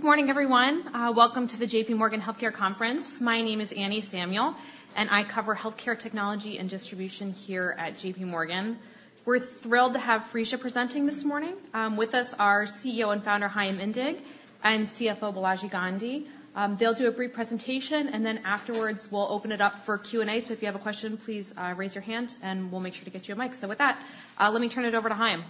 Good morning, everyone. Welcome to the JPMorgan Healthcare Conference. My name is Anne Samuel, and I cover healthcare technology and distribution here at JPMorgan. We're thrilled to have Phreesia presenting this morning. With us are CEO and Founder, Chaim Indig, and CFO, Balaji Gandhi. They'll do a brief presentation, and then afterwards, we'll open it up for Q&A. So if you have a question, please, raise your hand, and we'll make sure to get you a mic. So with that, let me turn it over to Chaim.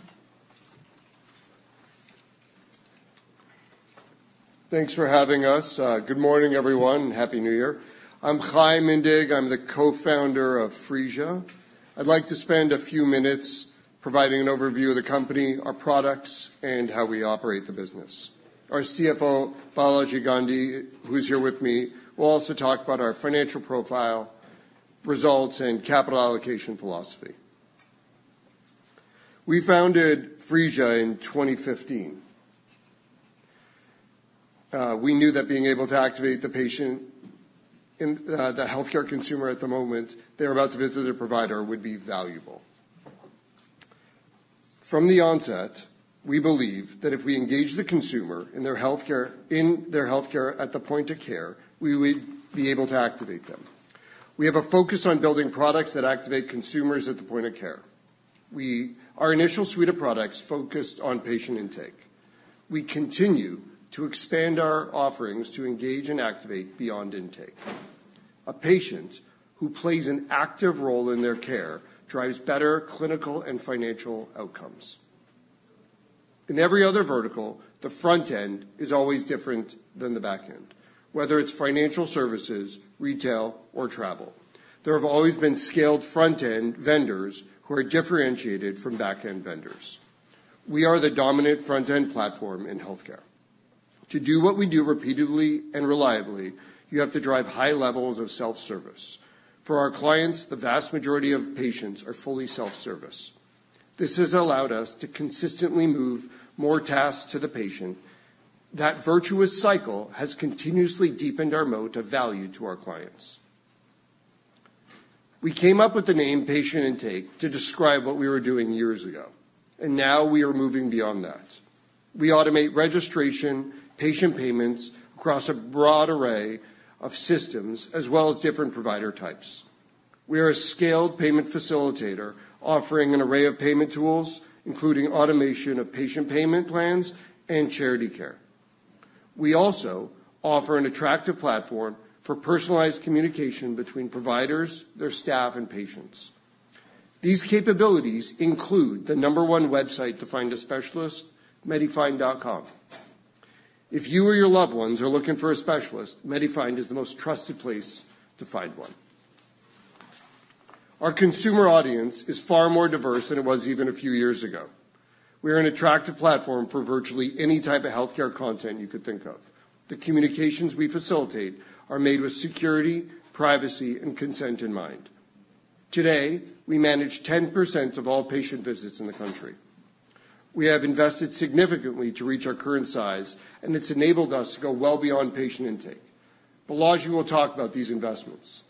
Thanks for having us. Good morning, everyone, and Happy New Year. I'm Chaim Indig. I'm the co-founder of Phreesia. I'd like to spend a few minutes providing an overview of the company, our products, and how we operate the business. Our CFO, Balaji Gandhi, who's here with me, will also talk about our financial profile, results, and capital allocation philosophy. We founded Phreesia in 2015. We knew that being able to activate the patient and the healthcare consumer at the moment they were about to visit their provider would be valuable. From the onset, we believe that if we engage the consumer in their healthcare, in their healthcare at the point of care, we would be able to activate them. We have a focus on building products that activate consumers at the point of care. Our initial suite of products focused on patient intake. We continue to expand our offerings to engage and activate beyond intake. A patient who plays an active role in their care drives better clinical and financial outcomes. In every other vertical, the front end is always different than the back end, whether it's financial services, retail, or travel. There have always been scaled front-end vendors who are differentiated from back-end vendors. We are the dominant front-end platform in healthcare. To do what we do repeatedly and reliably, you have to drive high levels of self-service. For our clients, the vast majority of patients are fully self-service. This has allowed us to consistently move more tasks to the patient. That virtuous cycle has continuously deepened our moat of value to our clients. We came up with the name Patient Intake to describe what we were doing years ago, and now we are moving beyond that. We automate registration, patient payments across a broad array of systems, as well as different provider types. We are a scaled payment facilitator, offering an array of payment tools, including automation of patient payment plans and charity care. We also offer an attractive platform for personalized communication between providers, their staff, and patients. These capabilities include the number one website to find a specialist, MediFind.com. If you or your loved ones are looking for a specialist, MediFind is the most trusted place to find one. Our consumer audience is far more diverse than it was even a few years ago. We are an attractive platform for virtually any type of healthcare content you could think of. The communications we facilitate are made with security, privacy, and consent in mind. Today, we manage 10% of all patient visits in the country. We have invested significantly to reach our current size, and it's enabled us to go well beyond patient intake. Balaji will talk about these investments.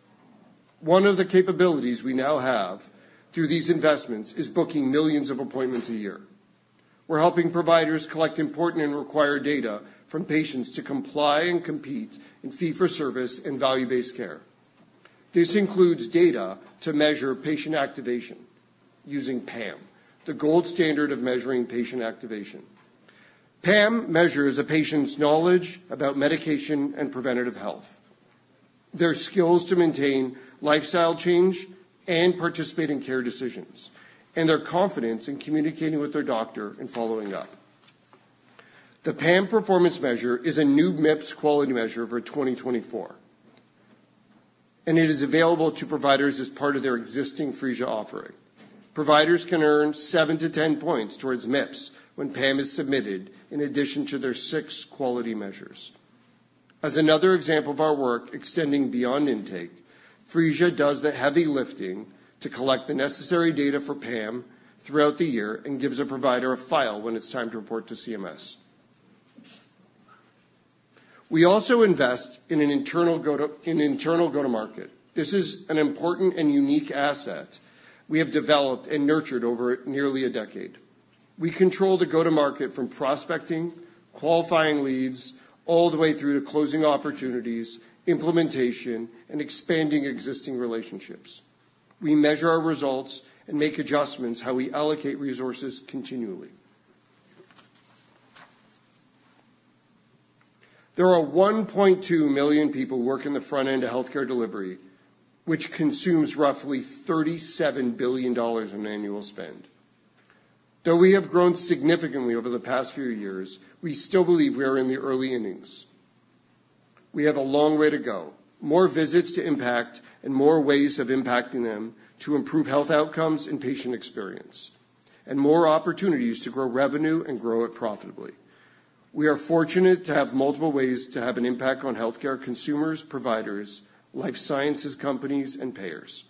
One of the capabilities we now have through these investments is booking millions of appointments a year. We're helping providers collect important and required data from patients to comply and compete in fee-for-service and value-based care. This includes data to measure patient activation using PAM, the gold standard of measuring patient activation. PAM measures a patient's knowledge about medication and preventative health, their skills to maintain lifestyle change and participate in care decisions, and their confidence in communicating with their doctor and following up. The PAM performance measure is a new MIPS quality measure for 2024, and it is available to providers as part of their existing Phreesia offering. Providers can earn 7-10 points towards MIPS when PAM is submitted, in addition to their six quality measures. As another example of our work extending beyond intake, Phreesia does the heavy lifting to collect the necessary data for PAM throughout the year and gives a provider a file when it's time to report to CMS. We also invest in an internal go-to-market. This is an important and unique asset we have developed and nurtured over nearly a decade. We control the go-to-market from prospecting, qualifying leads, all the way through to closing opportunities, implementation, and expanding existing relationships. We measure our results and make adjustments how we allocate resources continually. There are 1.2 million people working the front end of healthcare delivery, which consumes roughly $37 billion in annual spend. Though we have grown significantly over the past few years, we still believe we are in the early innings. We have a long way to go, more visits to impact and more ways of impacting them to improve health outcomes and patient experience, and more opportunities to grow revenue and grow it profitably. We are fortunate to have multiple ways to have an impact on healthcare consumers, providers, life sciences companies, and payers.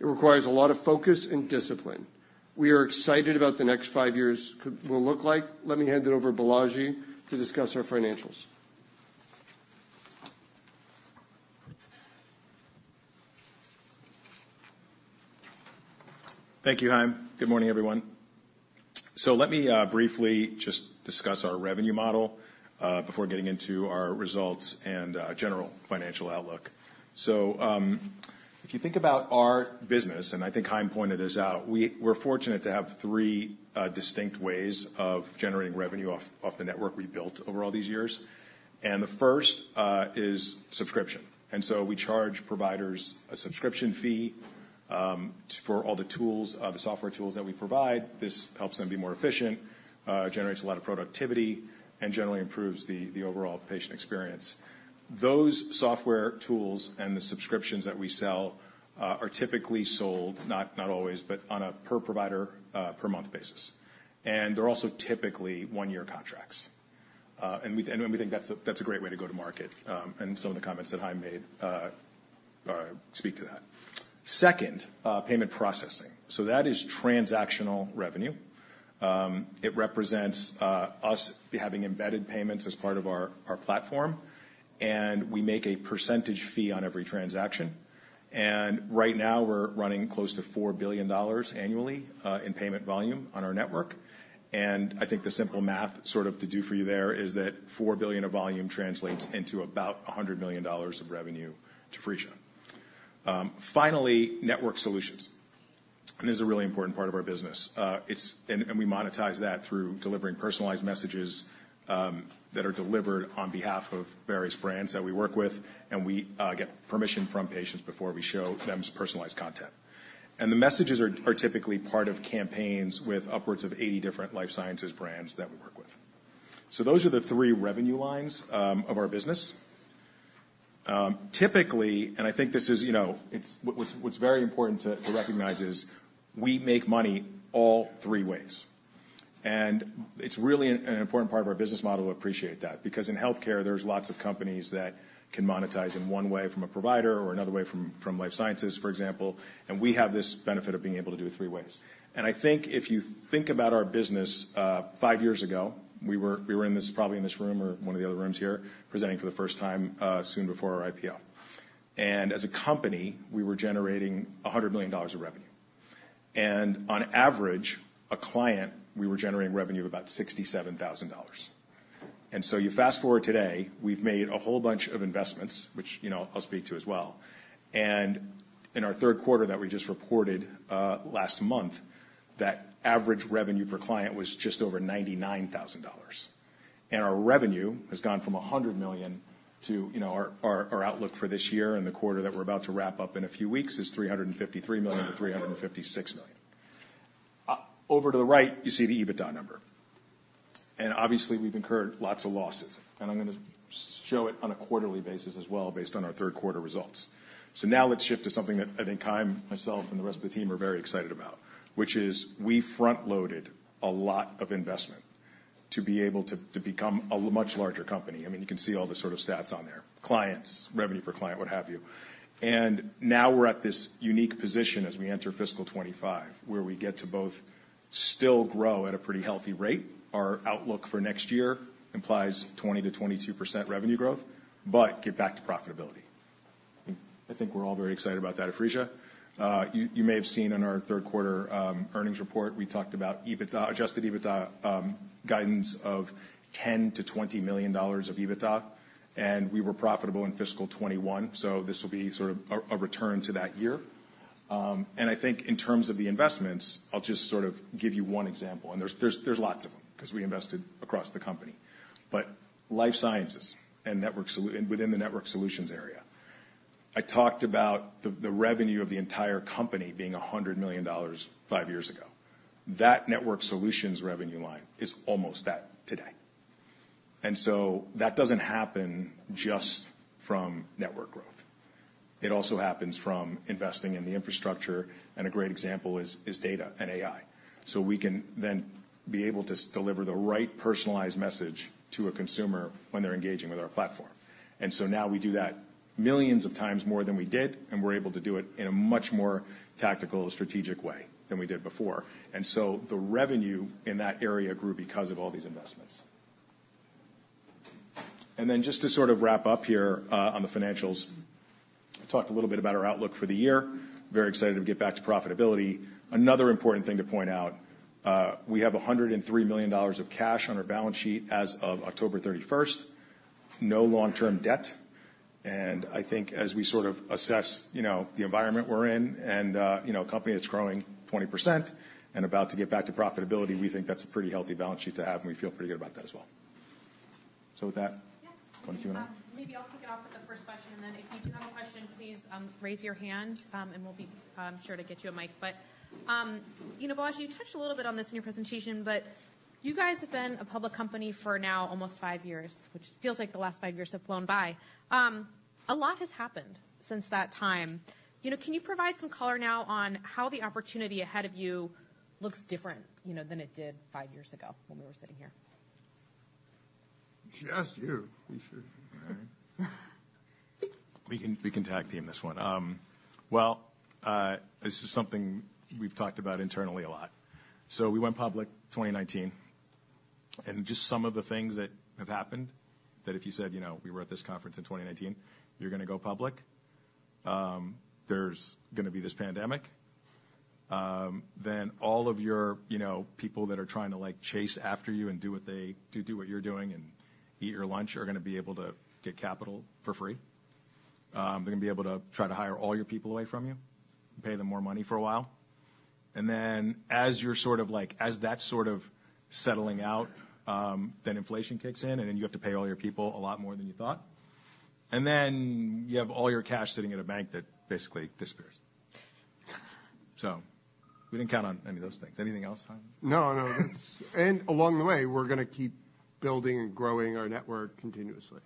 It requires a lot of focus and discipline. We are excited about the next five years will look like. Let me hand it over to Balaji to discuss our financials. Thank you, Chaim. Good morning, everyone. So let me briefly just discuss our revenue model before getting into our results and general financial outlook. So if you think about our business, and I think Chaim pointed this out, we're fortunate to have three distinct ways of generating revenue off the network we built over all these years. And the first is subscription. And so we charge providers a subscription fee for all the tools, the software tools that we provide. This helps them be more efficient, generates a lot of productivity, and generally improves the overall patient experience. Those software tools and the subscriptions that we sell are typically sold, not always, but on a per provider per month basis. And they're also typically one-year contracts. We think that's a great way to go-to-market, and some of the comments that Chaim made speak to that. Second, payment processing. So that is transactional revenue. It represents us having embedded payments as part of our platform, and we make a percentage fee on every transaction. And right now, we're running close to $4 billion annually in payment volume on our network. And I think the simple math sort of to do for you there is that $4 billion of volume translates into about $100 million of revenue to Phreesia. Finally, Network Solutions, and this is a really important part of our business. It's... We monetize that through delivering personalized messages that are delivered on behalf of various brands that we work with, and we get permission from patients before we show them personalized content. The messages are typically part of campaigns with upwards of 80 different life sciences brands that we work with. Those are the three revenue lines of our business. Typically, and I think this is, you know, it's what's very important to recognize is, we make money all three ways. It's really an important part of our business model to appreciate that, because in healthcare, there's lots of companies that can monetize in one way from a provider or another way from life sciences, for example, and we have this benefit of being able to do it three ways. And I think if you think about our business, five years ago, we were probably in this room or one of the other rooms here, presenting for the first time, soon before our IPO. And as a company, we were generating $100 million of revenue, and on average, a client, we were generating revenue of about $67,000. And so you fast-forward today, we've made a whole bunch of investments, which, you know, I'll speak to as well. And in our third quarter that we just reported last month, that average revenue per client was just over $99,000. And our revenue has gone from $100 million to, you know, our outlook for this year and the quarter that we're about to wrap up in a few weeks is $353 million-$356 million. Over to the right, you see the EBITDA number, and obviously, we've incurred lots of losses, and I'm gonna show it on a quarterly basis as well, based on our third quarter results. So now let's shift to something that I think Chaim, myself, and the rest of the team are very excited about, which is we front-loaded a lot of investment to be able to become a much larger company. I mean, you can see all the sort of stats on there, clients, revenue per client, what have you. Now we're at this unique position as we enter fiscal 2025, where we get to both still grow at a pretty healthy rate. Our outlook for next year implies 20%-22% revenue growth, but get back to profitability. I think we're all very excited about that at Phreesia. You may have seen in our third quarter earnings report, we talked about EBITDA, adjusted EBITDA, guidance of $10 million-$20 million of EBITDA, and we were profitable in fiscal 2021, so this will be sort of a return to that year. And I think in terms of the investments, I'll just sort of give you one example, and there's lots of them, because we invested across the company. But Life Sciences and within the Network Solutions area, I talked about the revenue of the entire company being $100 million five years ago. That Network Solutions revenue line is almost that today. And so that doesn't happen just from network growth. It also happens from investing in the infrastructure, and a great example is data and AI. So we can then be able to deliver the right personalized message to a consumer when they're engaging with our platform. And so now we do that millions of times more than we did, and we're able to do it in a much more tactical and strategic way than we did before. And so the revenue in that area grew because of all these investments. Then just to sort of wrap up here, on the financials, I talked a little bit about our outlook for the year. Very excited to get back to profitability. Another important thing to point out, we have $103 million of cash on our balance sheet as of October 31st. No long-term debt, and I think as we sort of assess, you know, the environment we're in, and, you know, a company that's growing 20% and about to get back to profitability, we think that's a pretty healthy balance sheet to have, and we feel pretty good about that as well. So with that- Yeah. 21%. Maybe I'll kick it off with the first question, and then if you do have a question, please, raise your hand, and we'll be sure to get you a mic. But, you know, Baj, you touched a little bit on this in your presentation, but you guys have been a public company for now almost five years, which feels like the last five years have flown by. A lot has happened since that time. You know, can you provide some color now on how the opportunity ahead of you looks different, you know, than it did five years ago when we were sitting here? She asked you. We should... We can, we can tag team this one. Well, this is something we've talked about internally a lot. So we went public in 2019. And just some of the things that have happened, that if you said, you know, we were at this conference in 2019, you're gonna go public. There's gonna be this pandemic. Then all of your, you know, people that are trying to, like, chase after you and do what you're doing and eat your lunch, are gonna be able to get capital for free. They're gonna be able to try to hire all your people away from you and pay them more money for a while. And then, as that sort of settling out, then inflation kicks in, and then you have to pay all your people a lot more than you thought. And then you have all your cash sitting in a bank that basically disappears. So we didn't count on any of those things. Anything else, Chaim? No, no. Along the way, we're gonna keep building and growing our network continuously.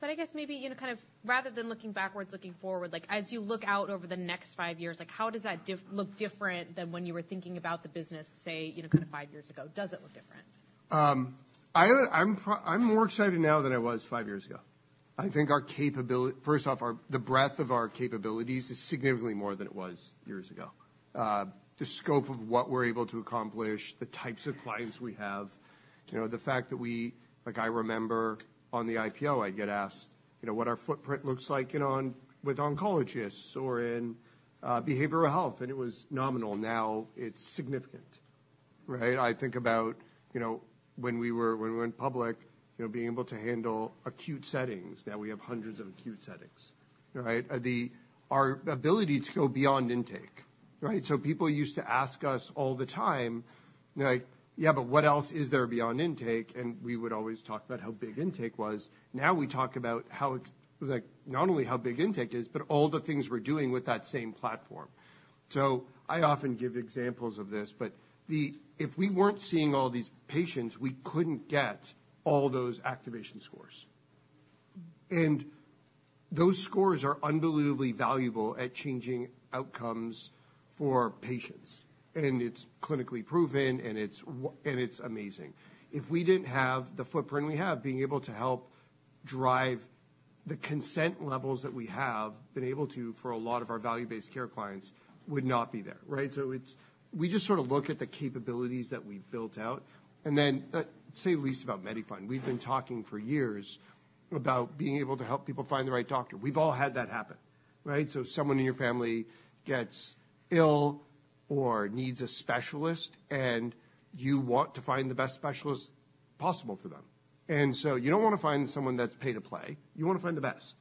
But I guess maybe, you know, kind of rather than looking backwards, looking forward, like, as you look out over the next five years, like, how does that look different than when you were thinking about the business, say, you know, kind of five years ago? Does it look different? I'm more excited now than I was five years ago. I think our capability... First off, our, the breadth of our capabilities is significantly more than it was years ago. The scope of what we're able to accomplish, the types of clients we have, you know, the fact that we-- Like, I remember on the IPO, I'd get asked, you know, what our footprint looks like with oncologists or in behavioral health, and it was nominal. Now it's significant, right? I think about, you know, when we went public, you know, being able to handle acute settings. Now we have hundreds of acute settings, right? Our ability to go beyond intake, right? So people used to ask us all the time, like: "Yeah, but what else is there beyond intake?" And we would always talk about how big intake was. Now we talk about how, like, not only how big intake is, but all the things we're doing with that same platform. So I often give examples of this, but if we weren't seeing all these patients, we couldn't get all those activation scores. And those scores are unbelievably valuable at changing outcomes for patients, and it's clinically proven, and it's amazing. If we didn't have the footprint we have, being able to help drive the consent levels that we have been able to for a lot of our value-based care clients, would not be there, right? So it's, we just sort of look at the capabilities that we've built out and then, say the least about MediFind. We've been talking for years about being able to help people find the right doctor. We've all had that happen, right? So someone in your family gets ill or needs a specialist, and you want to find the best specialist possible for them. And so you don't want to find someone that's pay to play. You want to find the best.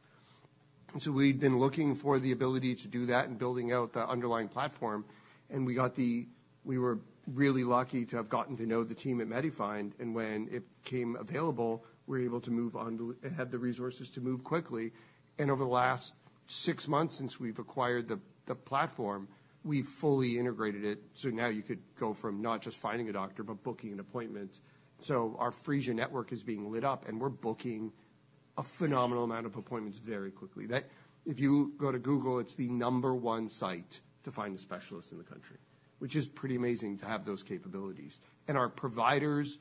So we've been looking for the ability to do that and building out the underlying platform, and we were really lucky to have gotten to know the team at MediFind, and when it became available, we were able to move onto, had the resources to move quickly, and over the last six months since we've acquired the platform, we've fully integrated it. So now you could go from not just finding a doctor, but booking an appointment. So our Phreesia Network is being lit up, and we're booking a phenomenal amount of appointments very quickly. That, if you go to Google, it's the number one site to find a specialist in the country, which is pretty amazing to have those capabilities. And our providers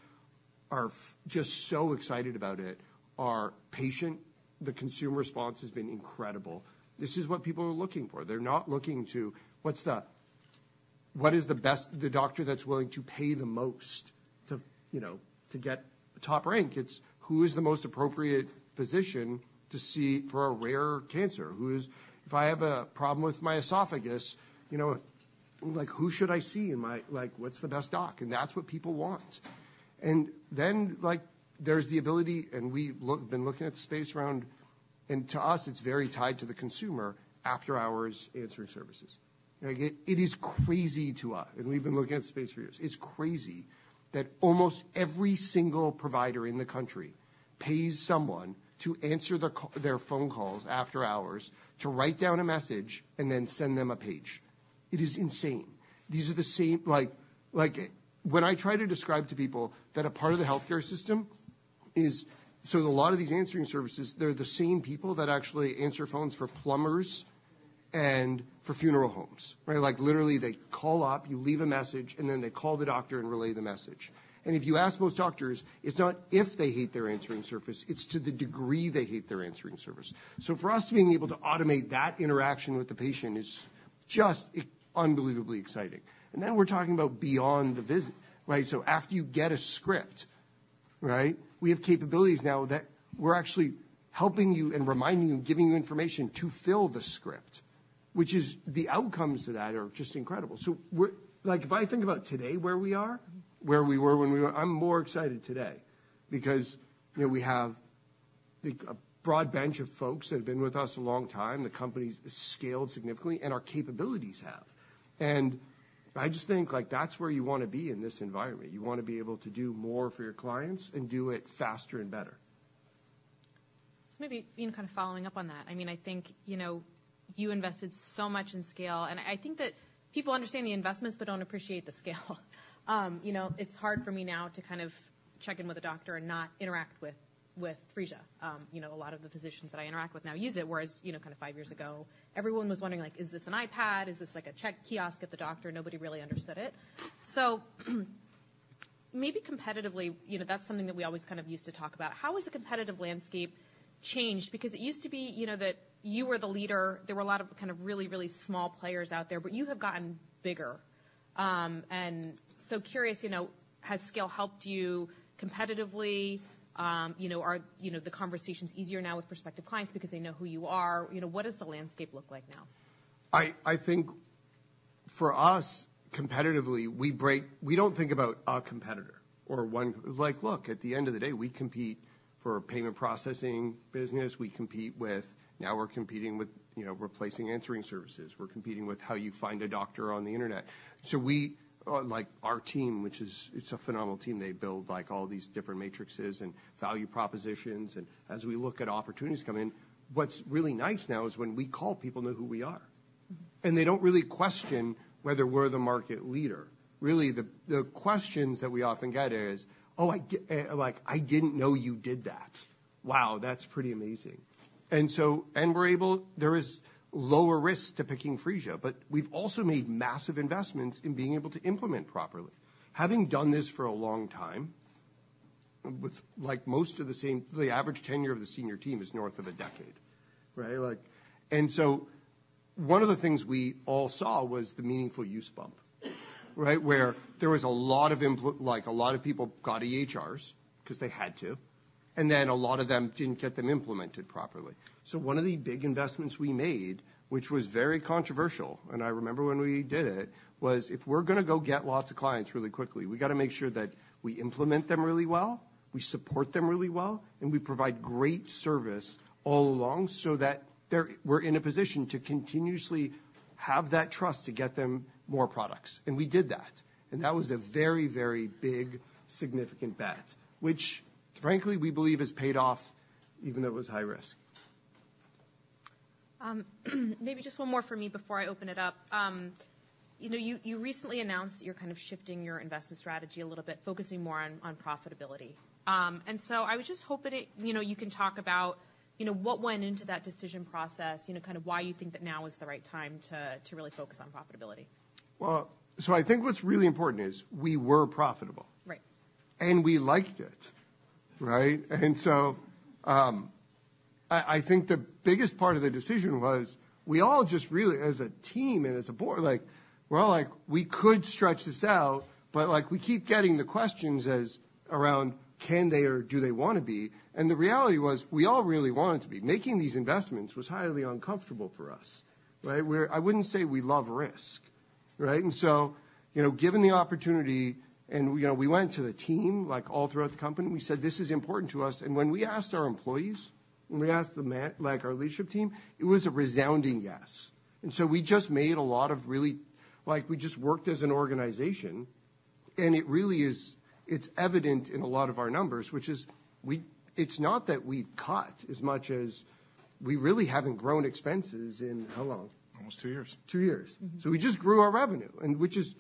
are just so excited about it. Our patient, the consumer response, has been incredible. This is what people are looking for. They're not looking to, what's the What is the best, the doctor that's willing to pay the most to, you know, to get top rank? It's who is the most appropriate physician to see for a rare cancer, who is... If I have a problem with my esophagus, you know, like, who should I see in my, like, what's the best doc? That's what people want. Then, like, there's the ability, and we've been looking at the space around, and to us, it's very tied to the consumer after-hours answering services. Like, it is crazy to us, and we've been looking at the space for years. It's crazy that almost every single provider in the country pays someone to answer their phone calls after hours, to write down a message and then send them a page. It is insane. These are the same, like, like, when I try to describe to people that a part of the healthcare system is, so a lot of these answering services, they're the same people that actually answer phones for plumbers and for funeral homes, right? Like, literally, they call up, you leave a message, and then they call the doctor and relay the message. If you ask most doctors, it's not if they hate their answering service, it's to the degree they hate their answering service. So for us, being able to automate that interaction with the patient is just unbelievably exciting. And then we're talking about beyond the visit, right? So after you get a script, right, we have capabilities now that we're actually helping you and reminding you and giving you information to fill the script, which is, the outcomes to that are just incredible. So we're—like, if I think about today, where we are- I'm more excited today because, you know, we have, like, a broad bench of folks that have been with us a long time. The company's scaled significantly, and our capabilities have. And I just think, like, that's where you want to be in this environment. You want to be able to do more for your clients and do it faster and better. So maybe, you know, kind of following up on that. I mean, I think, you know, you invested so much in scale, and I think that people understand the investments but don't appreciate the scale. You know, it's hard for me now to kind of check in with a doctor and not interact with, with Phreesia. You know, a lot of the physicians that I interact with now use it, whereas, you know, kind of five years ago, everyone was wondering, like, "Is this an iPad? Is this like a check kiosk at the doctor?" Nobody really understood it. So, maybe competitively, you know, that's something that we always kind of used to talk about. How has the competitive landscape changed? Because it used to be, you know, that you were the leader. There were a lot of kind of really, really small players out there, but you have gotten bigger. And so curious, you know, has scale helped you competitively? You know, are, you know, the conversations easier now with prospective clients because they know who you are? You know, what does the landscape look like now? I think for us, competitively, we don't think about a competitor or one. Like, look, at the end of the day, we compete for a payment processing business. We compete with now we're competing with, you know, replacing answering services. We're competing with how you find a doctor on the internet. So we, like our team, which is, it's a phenomenal team, they build, like, all these different matrices and value propositions, and as we look at opportunities come in, what's really nice now is when we call, people know who we are. And they don't really question whether we're the market leader. Really, the questions that we often get is: Oh, like, I didn't know you did that. Wow, that's pretty amazing! And so... There is lower risk to picking Phreesia, but we've also made massive investments in being able to implement properly. Having done this for a long time, with, like, most of the same... The average tenure of the senior team is north of a decade, right? Like, and so one of the things we all saw was the meaningful use bump, right? Where there was a lot of... Like, a lot of people got EHRs, 'cause they had to, and then a lot of them didn't get them implemented properly. One of the big investments we made, which was very controversial, and I remember when we did it, was, if we're gonna go get lots of clients really quickly, we gotta make sure that we implement them really well, we support them really well, and we provide great service all along, so that they're- we're in a position to continuously have that trust to get them more products. We did that, and that was a very, very big, significant bet, which frankly, we believe has paid off, even though it was high risk. Maybe just one more from me before I open it up. You know, you recently announced that you're kind of shifting your investment strategy a little bit, focusing more on profitability. And so I was just hoping, you know, you can talk about, you know, what went into that decision process, you know, kind of why you think that now is the right time to really focus on profitability? Well, I think what's really important is, we were profitable. Right. And we liked it, right? And so, I think the biggest part of the decision was, we all just really, as a team and as a board, like, we're all like, we could stretch this out, but, like, we keep getting the questions around, can they, or do they wanna be? And the reality was, we all really wanted to be. Making these investments was highly uncomfortable for us, right? I wouldn't say we love risk, right? And so, you know, given the opportunity and, you know, we went to the team, like, all throughout the company, we said, "This is important to us." And when we asked our employees, when we asked like, our leadership team, it was a resounding yes. And so we just made a lot of really... Like, we just worked as an organization, and it really is, it's evident in a lot of our numbers, which is it's not that we've cut, as much as we really haven't grown expenses in how long? Almost two years. Two years. So we just grew our revenue, and which is,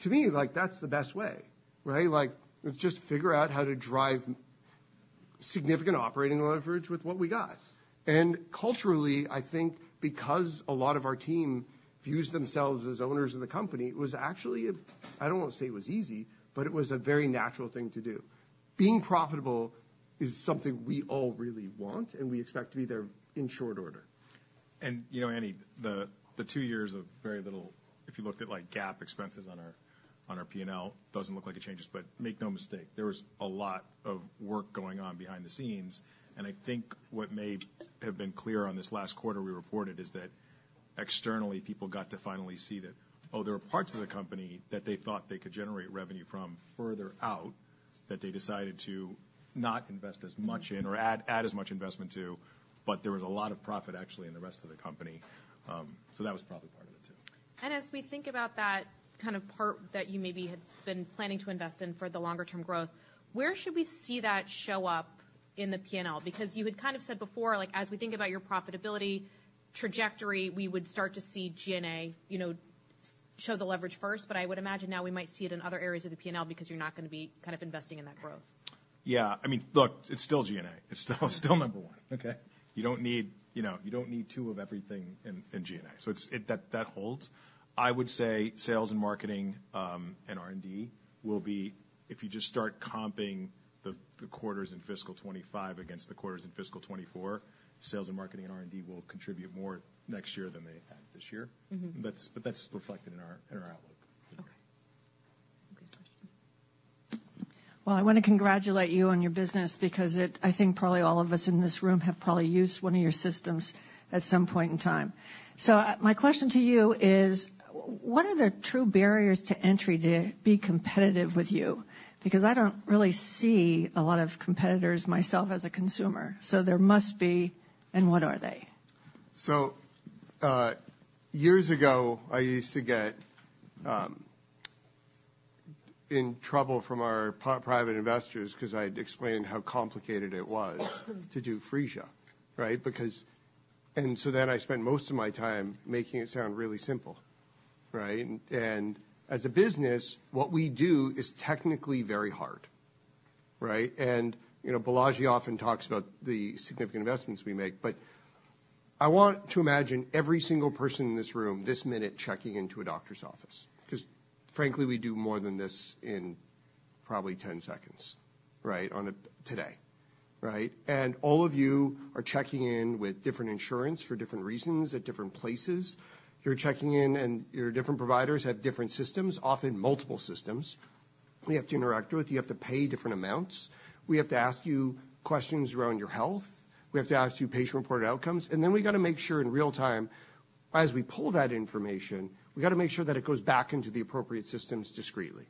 to me, like, that's the best way, right? Like, let's just figure out how to drive significant operating leverage with what we got. And culturally, I think, because a lot of our team views themselves as owners of the company, it was actually a... I don't want to say it was easy, but it was a very natural thing to do. Being profitable is something we all really want, and we expect to be there in short order. And, you know, Annie, the two years of very little, if you looked at, like, GAAP expenses on our P&L, doesn't look like it changes, but make no mistake, there was a lot of work going on behind the scenes. And I think what may have been clear on this last quarter we reported, is that externally, people got to finally see that, oh, there are parts of the company that they thought they could generate revenue from further out, that they decided to not invest as much in or add as much investment to, but there was a lot of profit actually in the rest of the company. So that was probably part of it, too. As we think about that kind of part that you maybe had been planning to invest in for the longer term growth, where should we see that show up in the P&L? Because you had kind of said before, like, as we think about your profitability trajectory, we would start to see G&A, you know, show the leverage first, but I would imagine now we might see it in other areas of the P&L, because you're not gonna be kind of investing in that growth. Yeah. I mean, look, it's still G&A. It's still, still number one. Okay. You don't need, you know, you don't need two of everything in G&A. So it holds. I would say sales and marketing and R&D will be... If you just start comping the quarters in fiscal 2025 against the quarters in fiscal 2024, sales and marketing and R&D will contribute more next year than they have this year. But that's reflected in our outlook. Okay. Great question. Well, I wanna congratulate you on your business because it, I think probably all of us in this room have probably used one of your systems at some point in time. So, my question to you is: What are the true barriers to entry to be competitive with you? Because I don't really see a lot of competitors myself, as a consumer, so there must be, and what are they? So, years ago, I used to get in trouble from our private investors, 'cause I'd explain how complicated it was to do Phreesia, right? Because... and so then I spent most of my time making it sound really simple, right? And as a business, what we do is technically very hard, right? And, you know, Balaji often talks about the significant investments we make, but I want to imagine every single person in this room, this minute, checking into a doctor's office, because, frankly, we do more than this in... probably 10 seconds, right? Today, right? And all of you are checking in with different insurance for different reasons at different places. You're checking in, and your different providers have different systems, often multiple systems we have to interact with. You have to pay different amounts. We have to ask you questions around your health. We have to ask you patient-reported outcomes, and then we've got to make sure in real time, as we pull that information, we've got to make sure that it goes back into the appropriate systems discreetly.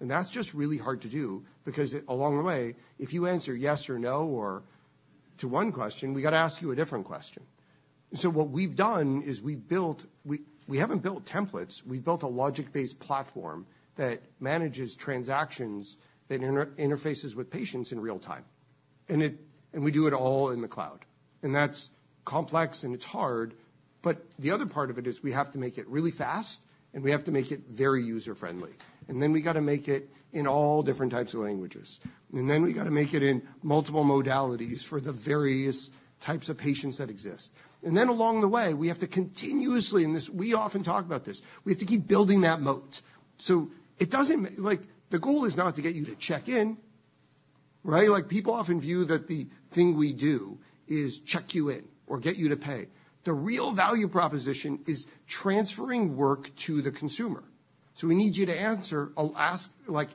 And that's just really hard to do because along the way, if you answer yes or no, or to one question, we've got to ask you a different question. So what we've done is we haven't built templates, we've built a logic-based platform that manages transactions, that interfaces with patients in real time. And it, and we do it all in the cloud. And that's complex, and it's hard, but the other part of it is we have to make it really fast, and we have to make it very user-friendly. And then we've got to make it in all different types of languages. And then we've got to make it in multiple modalities for the various types of patients that exist. And then along the way, we have to continuously, and this—we often talk about this, we have to keep building that moat. So it doesn't mean—like, the goal is not to get you to check in, right? Like, people often view that the thing we do is check you in or get you to pay. The real value proposition is transferring work to the consumer. So we need to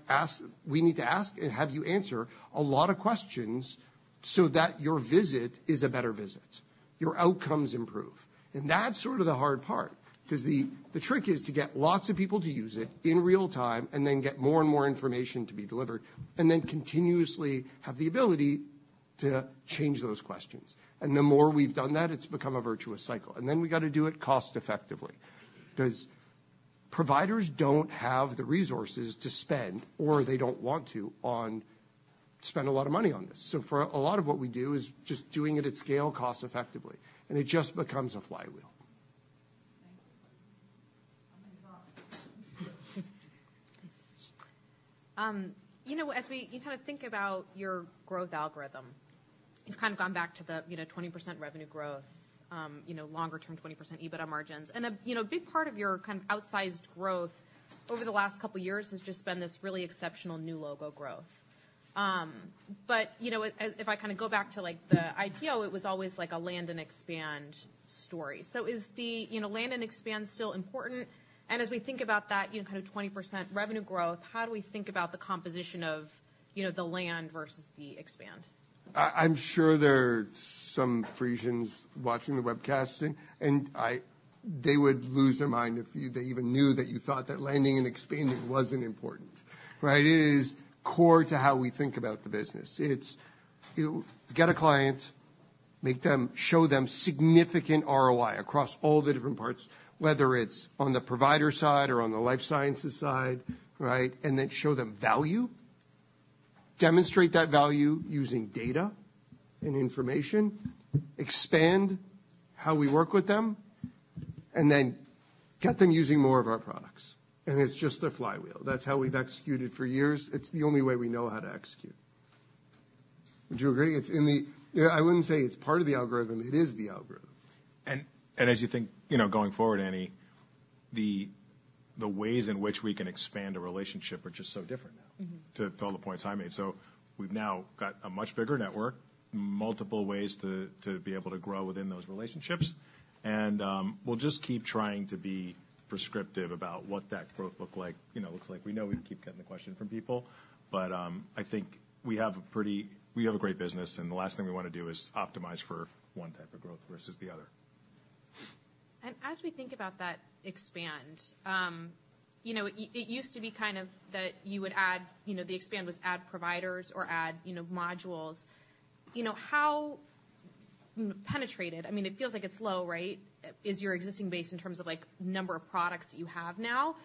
ask and have you answer a lot of questions so that your visit is a better visit, your outcomes improve. And that's sort of the hard part, because the trick is to get lots of people to use it in real time, and then get more and more information to be delivered, and then continuously have the ability to change those questions. And the more we've done that, it's become a virtuous cycle. And then we've got to do it cost effectively, because providers don't have the resources to spend, or they don't want to, on... spend a lot of money on this. So for a lot of what we do is just doing it at scale cost effectively, and it just becomes a flywheel. Thank you. You know, as we, you kind of think about your growth algorithm, you've kind of gone back to the, you know, 20% revenue growth, you know, longer-term 20% EBITDA margins. And, you know, a big part of your kind of outsized growth over the last couple of years has just been this really exceptional new logo growth. But, you know, if I kind of go back to, like, the IPO, it was always like a land and expand story. So is the, you know, land and expand still important? And as we think about that, you know, kind of 20% revenue growth, how do we think about the composition of, you know, the land versus the expand? I'm sure there are some Phreesians watching the webcast, and they would lose their mind if they even knew that you thought that landing and expanding wasn't important, right? It is core to how we think about the business. It's, you get a client, show them significant ROI across all the different parts, whether it's on the provider side or on the life sciences side, right? And then show them value, demonstrate that value using data and information, expand how we work with them, and then get them using more of our products, and it's just a flywheel. That's how we've executed for years. It's the only way we know how to execute. Would you agree? It's in the—I wouldn't say it's part of the algorithm; it is the algorithm. And as you think, you know, going forward, Annie, the ways in which we can expand a relationship are just so different now to all the points I made. So we've now got a much bigger network, multiple ways to be able to grow within those relationships, and, we'll just keep trying to be prescriptive about what that growth look like, you know, looks like. We know we keep getting the question from people, but, I think we have a great business, and the last thing we want to do is optimize for one type of growth versus the other. As we think about that expand, you know, it, it used to be kind of that you would add, you know, the expand was add providers or add, you know, modules. You know, how penetrated, I mean, it feels like it's low, right? Is your existing base in terms of like, number of products you have now?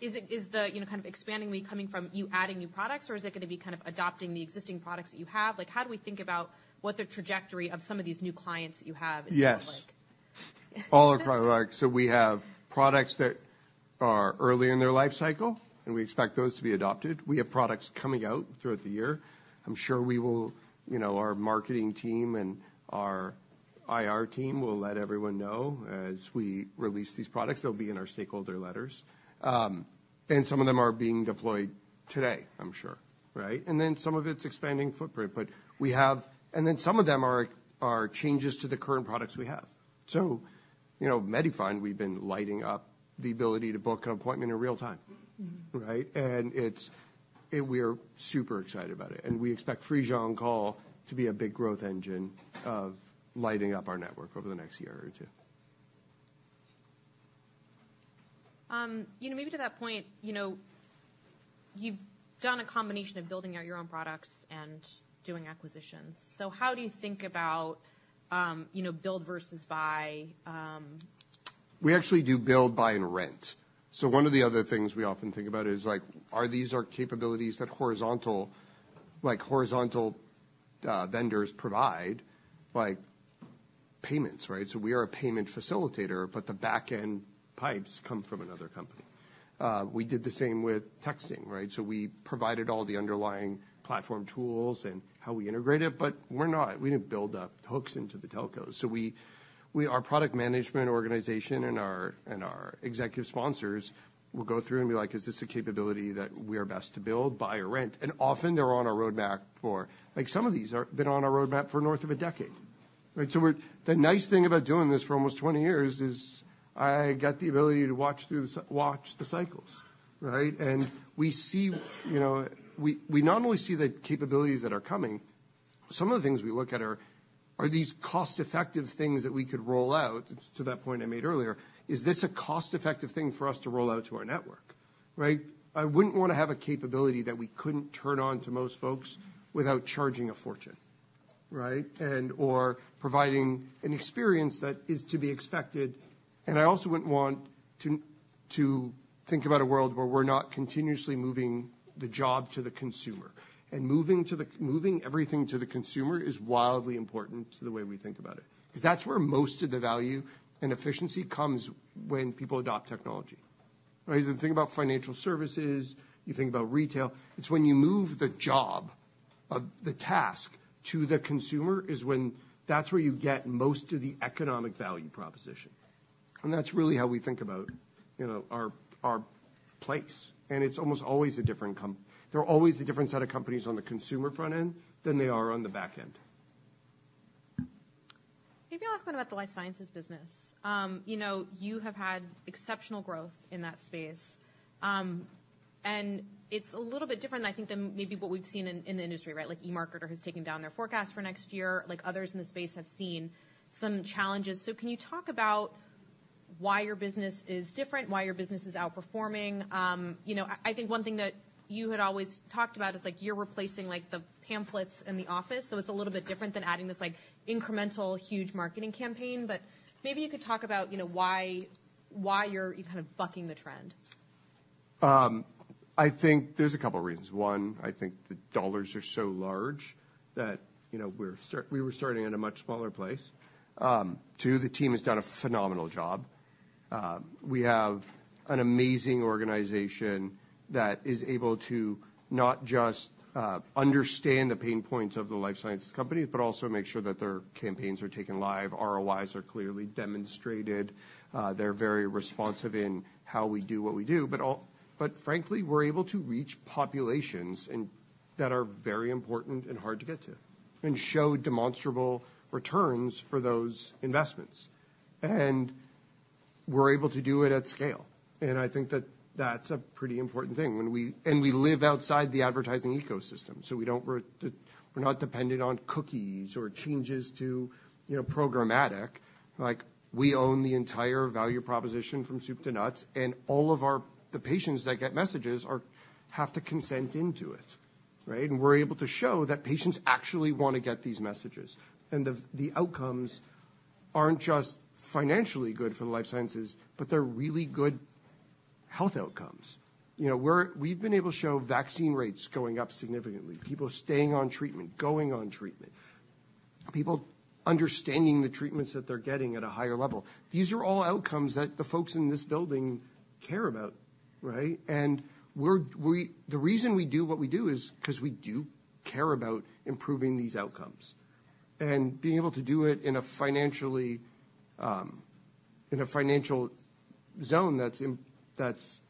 Is it, is the, you know, kind of expanding coming from you adding new products, or is it going to be kind of adopting the existing products that you have? Like, how do we think about what the trajectory of some of these new clients you have is going to look like? Yes. All are product. So we have products that are early in their life cycle, and we expect those to be adopted. We have products coming out throughout the year. I'm sure we will, you know, our marketing team and our IR team will let everyone know as we release these products. They'll be in our stakeholder letters. And some of them are being deployed today, I'm sure. Right? And then some of it's expanding footprint, but we have-- and then some of them are, are changes to the current products we have. So, you know, MediFind, we've been lighting up the ability to book an appointment in real time. Right? And we are super excited about it, and we expect Phreesia On-Call to be a big growth engine of lighting up our network over the next year or two. You know, maybe to that point, you know, you've done a combination of building out your own products and doing acquisitions. So how do you think about, you know, build versus buy? We actually do build, buy, and rent. So one of the other things we often think about is, like, are these our capabilities that horizontal, like, horizontal vendors provide, like payments, right? So we are a payment facilitator, but the back-end pipes come from another company. We did the same with texting, right? So we provided all the underlying platform tools and how we integrate it, but we're not— We didn't build up hooks into the telcos. So our product management organization and our executive sponsors will go through and be like: "Is this a capability that we are best to build, buy or rent?" And often they're on our roadmap for... Like, some of these are, been on our roadmap for north of a decade, right? The nice thing about doing this for almost 20 years is I get the ability to watch the cycles, right? And we see, you know, we not only see the capabilities that are coming, some of the things we look at are these cost-effective things that we could roll out, to that point I made earlier. Is this a cost-effective thing for us to roll out to our network, right? I wouldn't want to have a capability that we couldn't turn on to most folks without charging a fortune, right? And, or providing an experience that is to be expected. And I also wouldn't want to think about a world where we're not continuously moving the job to the consumer. Moving everything to the consumer is wildly important to the way we think about it, because that's where most of the value and efficiency comes when people adopt technology, right? You think about financial services, you think about retail. It's when you move the job of the task to the consumer. That's where you get most of the economic value proposition. And that's really how we think about, you know, our place, and it's almost always a different. They're always a different set of companies on the consumer front end than they are on the back end. Maybe I'll ask one about the Life Sciences business. You know, you have had exceptional growth in that space. And it's a little bit different, I think, than maybe what we've seen in the industry, right? Like, eMarketer has taken down their forecast for next year, like, others in the space have seen some challenges. So can you talk about why your business is different, why your business is outperforming? You know, I think one thing that you had always talked about is, like, you're replacing, like, the pamphlets in the office. So it's a little bit different than adding this, like, incremental, huge marketing campaign. But maybe you could talk about, you know, why you're kind of bucking the trend. I think there's a couple reasons. One, I think the dollars are so large that, you know, we were starting at a much smaller place. Two, the team has done a phenomenal job. We have an amazing organization that is able to not just understand the pain points of the life sciences company, but also make sure that their campaigns are taken live. ROIs are clearly demonstrated. They're very responsive in how we do what we do. But frankly, we're able to reach populations and that are very important and hard to get to, and show demonstrable returns for those investments. And we're able to do it at scale, and I think that that's a pretty important thing when we... And we live outside the advertising ecosystem, so we don't, we're not dependent on cookies or changes to, you know, programmatic. Like, we own the entire value proposition from soup to nuts, and all of our, the patients that get messages have to consent into it, right? And we're able to show that patients actually want to get these messages, and the outcomes aren't just financially good for the Life Sciences, but they're really good health outcomes. You know, we've been able to show vaccine rates going up significantly, people staying on treatment, going on treatment, people understanding the treatments that they're getting at a higher level. These are all outcomes that the folks in this building care about, right? The reason we do what we do is because we do care about improving these outcomes, and being able to do it in a financial zone that's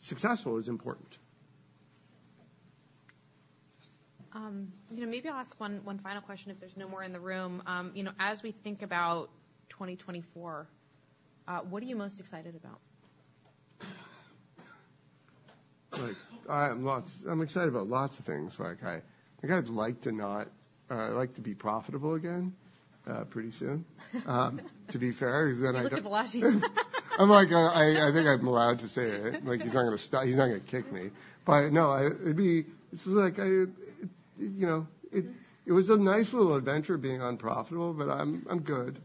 successful is important. You know, maybe I'll ask one final question, if there's no more in the room. You know, as we think about 2024, what are you most excited about? Look, I have lots. I'm excited about lots of things. Like, I kind of like to not, I like to be profitable again, pretty soon. To be fair, is that I- You looked at Balaji. I'm like, I think I'm allowed to say it. Like, he's not going to kick me. But no, it'd be... This is like, I, you know, it was a nice little adventure being unprofitable, but I'm good.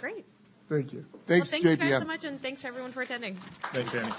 Great! Thank you. Thanks, JPMorgan. Well, thank you guys so much, and thanks to everyone for attending. Thanks, Annie.